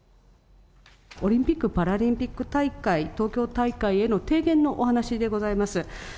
オリンピック・パラリンピック大会、東京大会への提言のお話でございます。